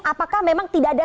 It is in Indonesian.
apakah memang tidak ada